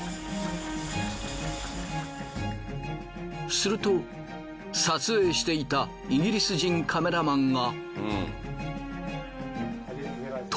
すると撮影していたイギリス人カメラマンが。